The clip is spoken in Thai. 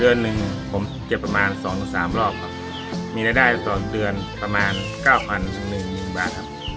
เดือนหนึ่งผมเก็บประมาณสองสามรอบครับมีรายได้ต่อเดือนประมาณเก้าพันหนึ่งบาทครับ